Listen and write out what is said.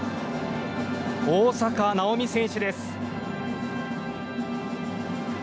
大坂なおみ選手です。